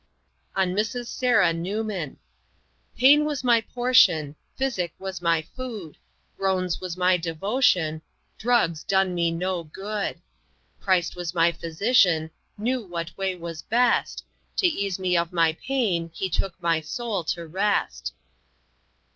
On Mrs. Sarah Newman: "Pain was my portion Physic was my food Groans was my devotion Drugs done me no good. Christ was my physician Knew what way was best To ease me of my pain He took my soul to rest."